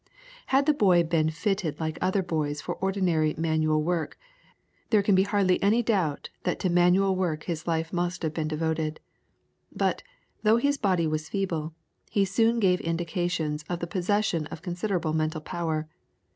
Had the boy been fitted like other boys for ordinary manual work, there can be hardly any doubt that to manual work his life must have been devoted. But, though his body was feeble, he soon gave indications of the possession of considerable mental power.